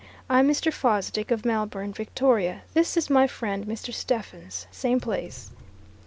"I'm Mr. Fosdick, of Melbourne, Victoria; this is my friend Mr. Stephens, same place."